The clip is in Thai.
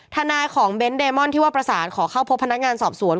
ทนายของเบนท์เดมอนที่ว่าประสานขอเข้าพบพนักงานสอบสวน